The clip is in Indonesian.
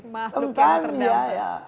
mahluk yang terdampak